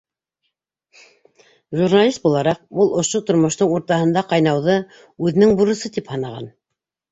Журналист булараҡ, ул ошо тормоштоң уртаһында ҡайнауҙы үҙенең бурысы тип һанаған.